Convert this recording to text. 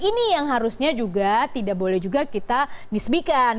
ini yang harusnya juga tidak boleh juga kita misbikan